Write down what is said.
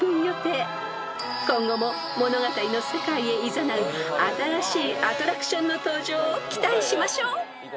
［今後も物語の世界へいざなう新しいアトラクションの登場を期待しましょう］